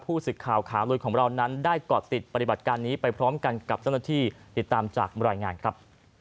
ศึกข่าวขาลุยของเรานั้นได้ก่อติดปฏิบัติการนี้ไปพร้อมกันกับเจ้าหน้าที่ติดตามจากบรรยายงานครับ